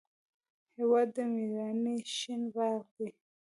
هېواد د میړانې شین باغ دی.